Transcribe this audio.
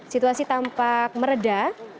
situasi tampak meredah